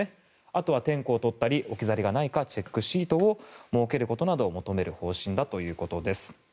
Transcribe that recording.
あとは点呼を取ったり置き去りがないかチェックシートを設けることなどを求める方針だということです。